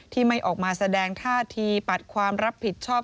ที่ไม่ออกมาแสดงท่าทีปัดความรับผิดชอบ